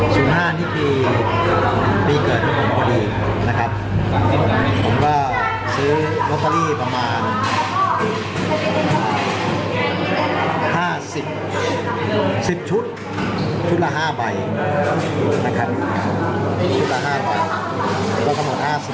๕๐๑๐ชุดหลายห้าใบนะครับหา่อก็ข้างหลังกูถูกทั้งหมด๕๐ใบ